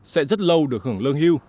sẽ rất lâu được hưởng lương hưu